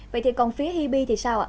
vậy thì còn phía hip thì sao ạ